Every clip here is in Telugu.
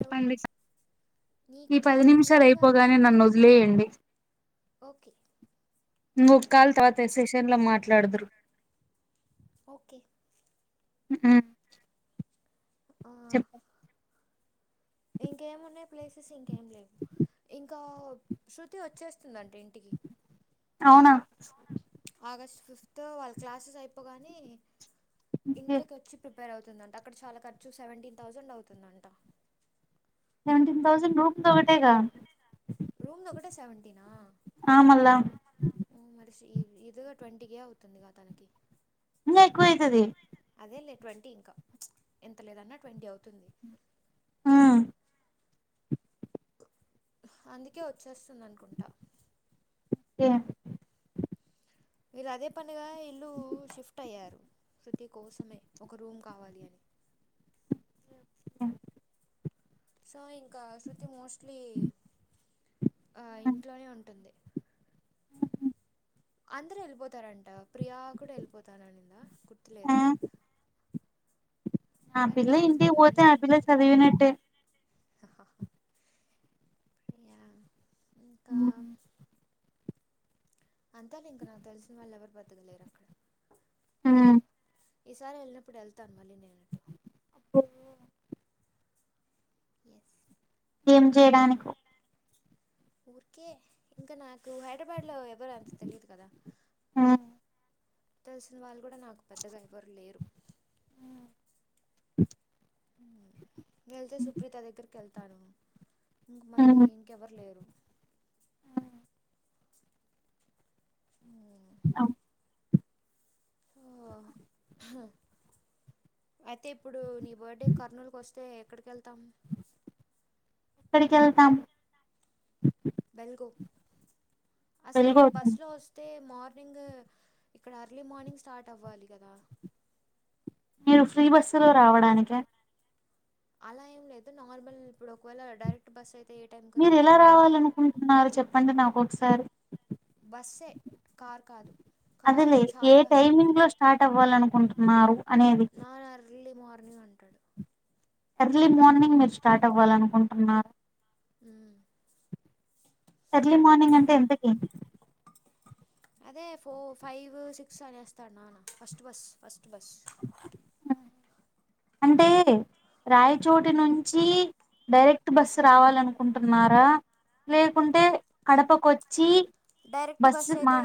హలో అందికే నీకు ఈ పది చాలా క్లియర్గా విన్ నిమిషాలుయిపోగానే నన్ను వదిలేయండి ఓకే నువ్ ఒక కాల్ తర్వాత సెషన్ లో మాట్లాడదురు ఓకే మ్ చెప్పు ఇంకేం ఉన్నాయి ప్లేసెస్ ఇంకేం లేవు ఇంకా శృతి ఒచ్చేస్తుందంట్ ఇంట్ టికి అవునా ఆగస్ట్ ఫిఫ్త్ వాళ్ళ క్లాసెస్ అయిపోగాని ఇంట్లోకొచ్చి ప్రిప్ ప్రిపెర్ అవుతుందంట అక్కడ చాలా ఖర్చు సేవేంటీన్ థౌసండ్ అవుతుందంటా సెవెంటీన్ థౌజండ్ రూమ్ దొకటేగా రూమ్ దొకటే సెవెన్ంటీనా ఆ మళ్ళా ఓ మడిషి ఇవ్ ఈజీగా ట్వంటీ కే అవుతుందిగా తనకి ఇంగ్ ఎక్కవయితది అదే లే ట్వంటీ ఇంకా ఎంత లేదన్నా ట్వంటీ అవుతుంది ఊమ్ హ్ అందుకే ఒచ్చేస్తుందనుకుంటా ఎ విల్ అదే పనిగా ఇల్లు షిఫ్ట్ అయ్యారు శుతి కోసమే ఒక రూమ్ కావాలి అని మ్ సో ఇంకా శృతి మోస్ట్లీ అ ఇంట్లోనే ఉంటుంది అందరూ ఏళ్ళిపోతారంట ప్రియా కూడా ఏళ్ళిపోతాననిందా గుర్తులేదు ఆ కానీ పిల్ల ఇంటికి మ్యాక్సిమం వొతే ఆ పిల్ల సదివినట్టే అహహా య ఇంకా అంతే లే ఇంక నాక్ తెలిసిన వాళ్ళు ఎవరు బెతకలేర్ అక్కడ ఊమ్ ఈసారి ఏళ్ళినప్పుడు ఏళ్తాను మళ్ళీ నేనట్టు ఓ యస్ ఏం చేయడానికో ఊర్కే ఇంకా నాకు హైదరాబాడ్ లో ఎవరు అంత తెలిదు కదా తెలిసిన వాళ్ళు గూడా నాకు పెద్దగా ఎవరు లేరు ఉం ఉమ్ వెళ్తే సుప్ర్రిత దగ్గరిక్ ఏళ్తాను ఇంక్ మళ్ళీ ఇంకెవర్ లేరు ఊమ్మ్ ఔ ఆ హ్ అయితే ఇప్పుడు నీ బర్త్డే కర్నూలుకి ఒస్తే ఎక్కడికెల్తామ్ క్కడికెల్తామ్ బెల్గో అసలే ఏంటి వెలుగవుతుంది బస్సులో ఒస్ తే మార్నింగ్ ఇక్కడ అర్లీ మార్నింగ్ స్టార్ట్ అవ్వాలి గదా మీరు ఫ్రీ బస్సు లో రావడానిక అలా ఏం లేదు నార్మల్ ఇప్పుడు ఒకవేళ డైరె ట్ బస్ అయితే ఏ టైం మీరు ఎలా రావాలనుకుంటున్నారు చెప్పండి నాక్ ఒకసారి బస్సే కార్ కాదు కారు అదేలే ఏ చాలా టైమింగ్ లో స్టార్ట్ అవ్వాలనుకుంటున్నారు అనేది నాన్న ఎర్లీ మార్నింగ్ అంటాడు ఎర్లీ మార్నింగ్ మీరు స్టార్ట్ అవాలనుకుంటున్నారా ఉమ్ ఎర్లీ మార్నింగ్ అంటే ఎంతకి [inaudible] అదే ఫో ఫైవ్ సిక్స్ అనేస్తాడు నాన్న ఫస్ట్ బస్ ఫస్ట్ బస్ అంటే రాయచోటి నుంచి డైరెక్ట్ బాస్ రావాలన్కుంటున్నారా లేకుంటే కడపకొచ్చి డైరెక్ట్ బస్ బస్సు మా అయితే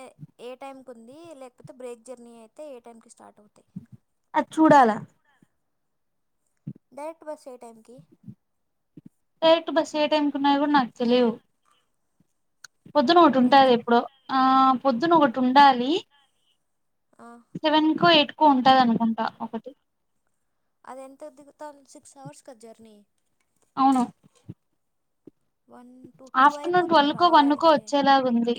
ఏ ఏ టైంకుంది లేకపోతే బ్రేక్ జర్నీ అయితే ఏ టైమ్కి స్టార్ట్ అవుతాయి అది చూడాలా డైరెక్ట్ బస్ ఏ టైంకిి డైరెక్ట్ బస్ ఏ టైంకి ఉన్నాయో కూడా నాకు తెలియవు పొద్దున ఒకటి ఎంత ఉంటుది ఎప్పుడో ఆ పొద్దున ఒకటి ఉండాలి ఆ సెవెన్ కో ఎయిట్ కో ఉంటదనుకుంట ఒకటి అది ఎంత దిగుతాంది సిక్స్ అవర్స్ కదా జర్నీ అవును వన్ టూ టూ ఆఫ్టర్నూన్ అయిపోతుంది ట్వెల్వ్కో వన్కో రావడానికే ఒచ్చేలాగుంది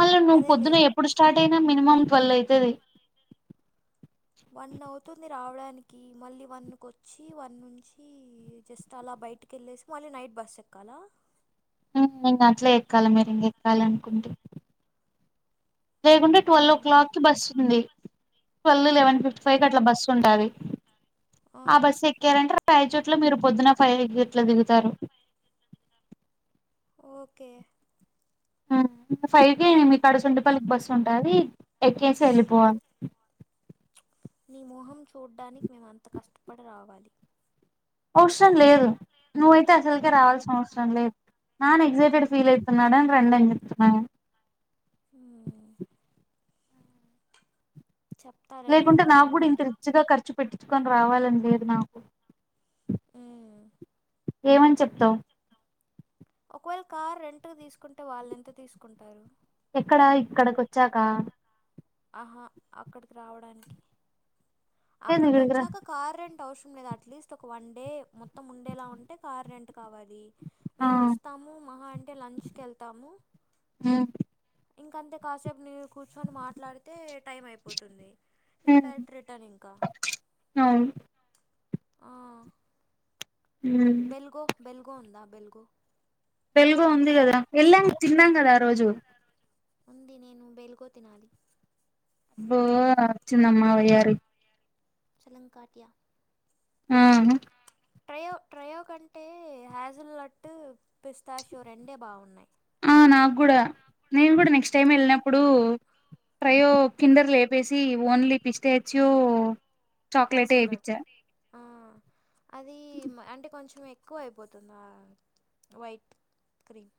మళ్ళ నువ్వు అదేలే పొద్దున ఎప్పుడ్ స్టార్ట్ అయినా మినిమం ట్వెల్వ్ అయితది వన్ అవుతుంది రావడానికి మళ్ళీ వన్క్ ఒచ్చి వన్ నుంచి జస్ట్ అలా బైటికి కెళ్ళేసి మళ్ళీ నైట్ బస్ ఎక్కాలా ఉమ్ ఇంగ అట్లే ఎక్కాలె మీరు ఇంక ఎక్కాలి అనుకుంటే లేకుంటే ట్వెల్ ఓ ఆ. క్లాక్కిి బస్సు ఉంది ట్వెల్వ్ లెవెన్ ఫిఫ్టీ ఫైవ్ కి అట్ల బస్సు ఉంటాది ఆ బస్సు ఎక్కారంటే రాయచోట్ల మీరు పొద్దున ఫైవ్ గట్ల దిగుతారు ఓకే ఫైవ్కి మీకాడ సుండిపల్లికి బస్సు ఉంటది ఎక్కేసి ఎళ్ళిపోవాలి నీ మోహం చూడ్డానికి మేమంత కష్టపడి రావాలి అవ్సరం లేదు నువ్వైతే అసల్కే రావాల్సిన అవసరం లేదు నాన్న ఎగ్సైటెడ్ ఫీల్ అయితున్నడని రండని చెప్తున్న నేను హ్మ్ చెప్ లేకుంటే నాక్ కూడా ఇంత రిచ్గా ఖర్చు పెట్టించుకొని రావాలని లేదు నాకు మ్మ్. ఏమని చెప్తావ్ ఒకవేళ కార్ రెంట్కు తీస్కుంటే వాళ్ళెంత తీస్కుంటారు ఎక్కడ ఇక్కడ్కకొచ్చాక ఆహా అక్కడికి రావడానికి ఏంది అక్కడికి ఇక్కడికి రా వచ్చాక కారు రెంట్ అవసరం లేదు అట్లీస్ట్ ఒక వన్ డే మొత్తం ఉండేలా ఉంటే కార్ రెంట్ కావాలి ఆ మేం ఒస్తాము మహా అంటే లంచ్కి ఎళ్తాము ఉ ఇంక అంతే కాసేపు నేను కూర్చొని మాట్లాడితే టైం అయిపోతుంది ఇంకా డైరెక్ట్ రి టనింక అవును ఆ ఉమ్ బెల్ గో బెల్గో ఉందా బెల్గో బెల్గో ఉంది కదా వెళ్ళాం తిన్నాం కదా ఆ రోజు ఉంది నేను బెల్గో తినాలి అబ్బో ఓచ్చిందమ్మ వయ్యారి చాలంకాటియా ఉహు ట్రయో ట్రయో కంటే హ్యాజిల్ లడ్డు పిస్తాషోరు రెండే బాగున్నాయి ఆ నాక్ కూడా నేన్ కూడా నెక్స్ట్ టైం వెళ్ళినప్పుడు ప్రయో కిందర్ లేపేసి ఓన్లీ పి స్టాచ్యూ హై జ్ ఎ లాట్ ఆ అది అంటే కొంచెం ఎక్కువ అయిపోతుంది ఆ వైట్ క్రీమ్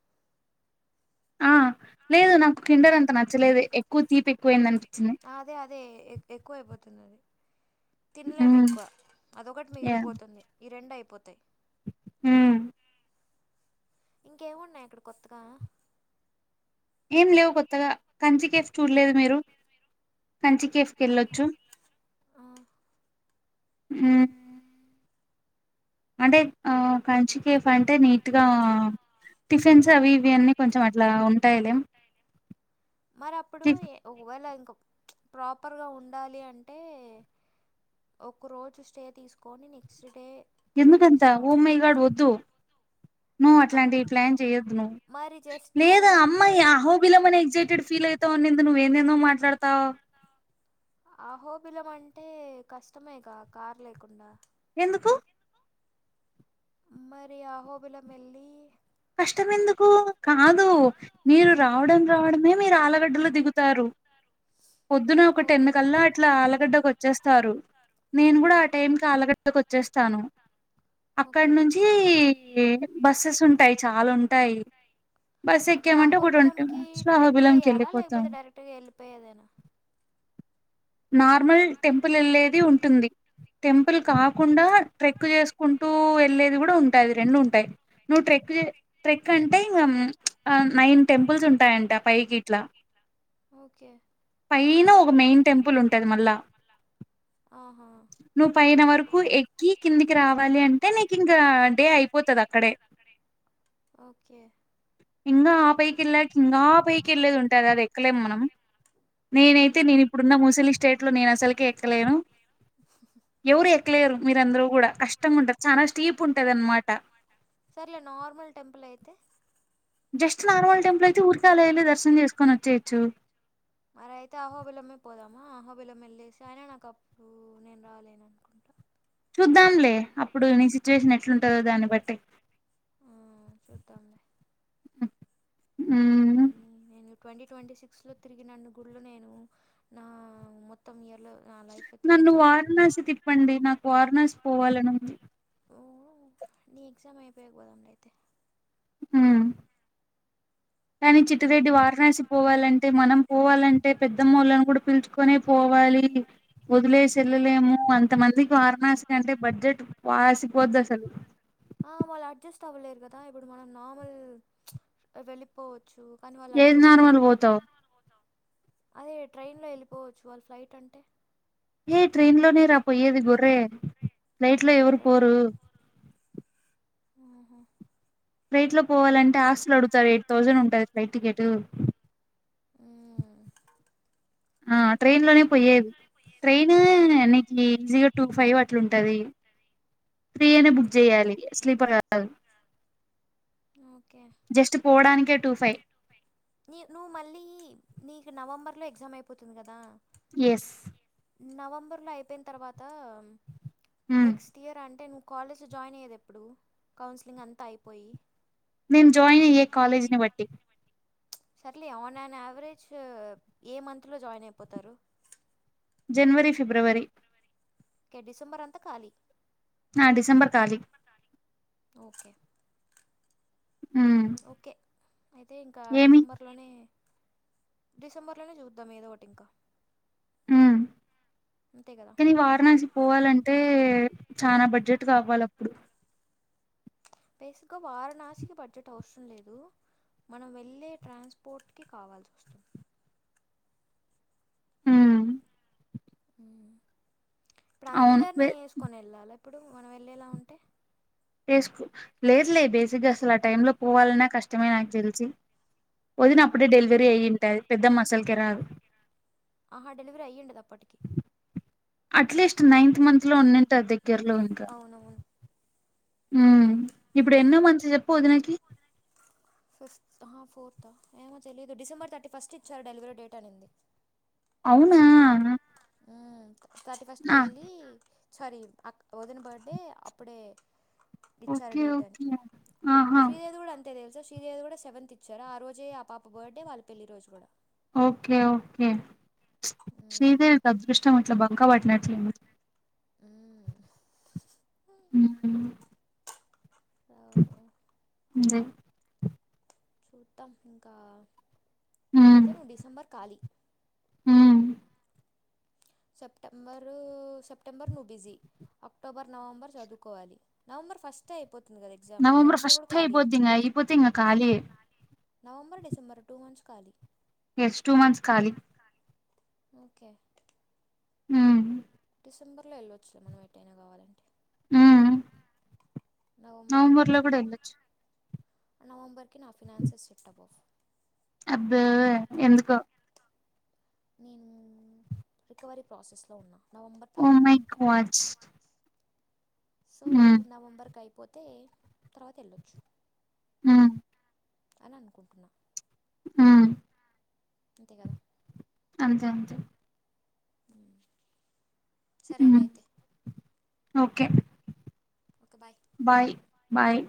ఆ లేదు నాకు కిండర్ అంత నచ్చలేదు ఎక్కువ తీపి ఎక్కువయింది అనిపించింది ఎ అదే ఎక్కువ అయిపోతున్నది అది తినలేము ఉమ్ ఎక్కువ అదొకటి యా మిగిలిపోతుంది ఈ రెండు అయిపోతాయి ఉమ్ ఇంకేమున్నయి అక్కడ కొత్తగా ఏం లేవు కొత్తగా కంచికేఫ్ చూడలేదా మీరు కంచికేఫ్ ఆహా వెళ్ళోచ్చు ఆ ఉమ్ అంటే ఆ కంచికెఫ్ అంటే నీటిగా టిఫిన్స్ అవి ఇవి అన్నీ కొంచెం అట్లా ఉంటాయిలే మరి అప్పుడు టిఫ్ ఏ- ఒకవేళ ఇంకా ప్రాపర్గా ఉండాలి అంటే ఒక రోజు స్టే తీసుకొని నెక్స్ట్ డే ఎందుకంత తిరిగేసి రావడమా ఓమై గాడ్ వద్దు నువ్వు అట్లాంటి ప్లాన్ చెయొద్దు నువ్వు మరి జస్ట్ లేదా ఊరికే అమ్మాయి అహోబిలం అని ఎగ్జైటెడ్ ఫీల్ అయితావుండిది నువ్వు ఎందేందో మాట్లాడతావ్ అహోబిలం అంటే కష్టమేగా కార్ లేకుండా ఎందుకు మరి అహోబిలం ఎళ్ళి కష్టమెందుకు కాదు మీరు రావడం రావడమే మీరు ఆలగడ్డలో దిగుతారు పొద్దున ఒక టెను ఓకే కల్లా అట్లా ఆలగడ్డకు వచ్చేస్తారు నేను కూడా టైంకి ఆలగడ్డకు వచ్చేస్తాను అక్కడ ఓకే నుంచి బస్సెస్ ఉంటాయి అల ఉంటాయి బస్ ఇప్పుడు ఎక్కామంటే ఒక ట్వంటీ మినిట్స్ లో అహోబిలం కి వెళ్ళిపోతాం అటు వెళ్ళిపోయేదేనా నార్మల్ టెంపుల్ ఎళ్ళేది ఉంటుంది టెంపుల్ కాకుండా ట్రెక్ చేసుకుంటూ ఎళ్ళేది కూడా ఉంటాది రెండు ఉంటాయి నువ్వు ట్రెక్ చేసే ట్రెక్ అంటే ఉమ్ ఆ నైన్ టెంపుల్స్ ఉంటాయంటా పైకి ఇట్లా ఓకే పైన ఒక మెయిన్ టెంపుల్ ఉంటది మళ్ళా ఆహా నువ్వు పైన వరకు ఎక్కి క్కి కిందికి రావాలి అంటే నీకు ఇంకా డే అయిపోతది అక్కడే ఓకే ఇంగా ఆ పైకి ఎళ్ళాక ఇంగా పైకి ఎళ్ళేది ఉంటాది అది ఎక్కలేం మనం మ్మ్ నేనైతే నేను ఇ ప్పుడున్న ముసలి స్టేట్లో నేను అసలికె ఎక్కలేను [inaudible] ఎవరు ఎక్కలేరు మీరందరు కూడా కష్టంగా ఉంటారు చాలా స్టీప్ ఉంటది అనమాట. సర్లే నార్మల్ టెంపుల్ అయితే జస్ట్ నార్మల్ టెంపుల్ అయితే ఊరికే అలా వెళ్లి దర్శనం చేసుకొని వచ్చేయోచ్చు. మరి అయితే ఆహోబిలమ్మే పోదామా ఆహోబిలమ్ వెళ్లేేసి ఆయన నాకుప్పుడు నేను రాలేనని అనుకుంటా. చూద్దాంలే అప్పుడు నీ సిచ్యువేషన్ ఎట్లుంటాదో దాన్ని బట్టి. చూద్దామ్లె ఉ ఉమ్ నేను ట్వంటీ ట్వంటీ సిక్స్లో తిరిగనన్ని గుళ్లు నేను నా మొత్తం ఇయర్లో నా లైఫ్లో నన్ను తిరిగిండాను వారణాసి తిప్పండి నాకు వారణాసి పోవాలని ఉంది. ఓ నీ ఎగ్జామ్ అయిపోయకా పోదమ్లే అయితే ఉ కానీ ఎగ్జామ్ చిటిరెడ్డి వారణాసి పోవాలంటే మనం పోవాలంటే పెద్దమ్మోళ్ళలను కూడా పిలుచ్ కునే పోవాలి వదిలేసి వెల్లలేము అంతమందికి వారణాసి అంటే బడ్జెట్ వాసిపొద్ధి అసలు వాళ్ళు అడ్జస్ట్ అవ్వలేరు కదా ఇప్పుడు మనం నార్మల్ చ్ వెళ్ళిపోవొచ్చు. కానీ వాళ్ళు ఏది అడ్జస్ట్ నార్మల్ అవ్వలేరు పోతావు అదే ట్రైన్లో వెళ్ళిపోవచ్చు వాళ్ళు ఫ్లైట్ అంటే. యే ట్రైన్లోనేరా పోయేది గొర్రె ఫ్లైట్లో ఎవరు ట్రైన్ పోరు ఆహా ఫ్లైట్లో పోవాలంటే ఆస్తులు అడుగుతారు ఎయిట్ థౌజండ్ ఉంటుంది ఫ్లైట్ టికెటూ. ఉ ఆ ట్రైన్లోనే పోయేది ట్రైనే నీకు ఈజీగా టూ ఫైవ్ అట్లు ఉంటాది ఫ్రీ అనే బుక్ చేయాలి స్లీపర్ కాదు ఓకే జస్ట్ పోవడానికే టూ నీ నువ్వు మళ్ళీ నీకు నవంబర్లో ఎగ్జామ్ అయిపోతుంది కదా. యేస్ నవంబర్లో అయిపోయినా తర్వాత నెక్స్ట్ ఇయర్ అంటే ను కాలేజ్లో జాయిన్ అయ్యేది ఎప్పుడు కౌన్సిలింగ్ అంతా అయిపోయి. నేను జాయిన్ అయ్యే కాలేజీని బట్టి చ్ సర్లే ఆన్ అండ్ యావరేజ్ ఏ మంత్లో జాయిన్ అయిపోతారు. జనవరి ఫిబ్రవరి ఓకే డిసెంబర్ అంతా ఖాళీ ఆ డిసెంబర్ ఆ ఖాళీ డిసెంబర్ ఖాళీ ఓకే ఉ ఓకే అయితే ఇంకా డిసెంబర్లోనే డిసెంబర్లోనే చూద్దాం ఏదో ఒకటి ఇంకా అంతే కదా ఈ వారణాసి పోవాలంటే చాలా బడ్జెట్ కావాలి అప్పుడు. బేసిక్గా వారణాసికి బడ్జెట్ అవసరం లేదు మనం వెళ్ళే ట్రాన్స్పోర్ట్కి కావాల్సి వస్తుంది ఉ ఉ ఇప్పుడు అవును అందరినీ యేస్కోని వెళ్ళాలా ఇప్పుడు మనం వెళ్ళేలా ఉంటే. తీస్కు లేదులే బేసిక్గా అసలు ఆ టైలో పోవాలన్నా కష్టమే నాకు తెలిసి. ఏ వదిన అప్పుడే డెలివరీ అయ్యింటది పెద్దమ్మా అస్లాకే రాదు ఆహా డెలివరీ అయ్యండది అప్పటికి అట్లీస్ట్ నైన్త్ మంత్లో ఉండంట ఆ దగ్గరలో ఇంకా అవునవును ఉ ఇప్పుడు ఎన్నో మంత్ చెప్పు వదినకి ఫిఫ్త్ ఆహా ఫోర్త్ ఏమో తెలియదు డిసెంబర్ థర్టీ ఫస్ట్ ఇచ్చారు డెలివరీ డేట్ అనింది అవునా ఊ తథార్టీ ఫస్ట్ ఆ పెళ్ళి సారి వదిన బర్త్డే అప్పుడే ఇచ్చారు ఓకే డేట్ అని ఓకే ఆహా శ్రీదేవి కూడా అంత అ తెలుస శ్రీదేవి కూడా సెవెంత్ ఇచ్చారు ఆ రోజే ఆ పాప బర్త్డ వాళ్ళ పెళ్లి రోజు కూడా ఓకే ఓకే శ్రీదేవికి అదృష్టం అట్ల బంక పట్టినట్లుంది ఉ ఉహూ ఎంజాయ్ చూద్దాం ఇంకా అయితే నువ్వు డిసెంబర్ కాలి ఉ సెప్టెబర్ సెప్టెంబర్ నువ్వు బిజీ అక్టోబర్ నవంబర్ చదువుకోవాలి నవంబర్ ఫస్టే అయిపోతుంది కదా ఎగ్జామ్ నవంబర్ కూడా ఖాళీ పోతే ఇంగ కాళీయే నవంబర్ డిసెంబర్ టూ మంత్స్ కాళి ఎస్ టూ మంత్స్ కాలీ కాలి ఓకే హు డిసెంబర్లో ఒళ్ళొచ్చు మనేమెటైనా కావాలంటే ఊ నవంబర్కి కొంచెం కూడా వెళ్ళొచ్చు నవంబర్కి నా ఫినాన్సెస్ సెట్ అవ్వవ్ అబ్బో ఎందుకో నేను రికవరీ ప్రాసెస్లో ఉన్నా నవంబర్ ఓ టార్గెట్ మై పెట్టా గాడ్ సో ఉమ్ నవంబర్కైపోతే తర్వాతేళ్ళొచ్చు హు అననుకుంటున్నా ఆ అంతే కదా అంతే అంతే ఉ ఉమ్, సరేలే అయితే okay okay bye bye bye